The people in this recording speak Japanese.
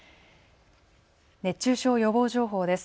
熱中症予防情報です。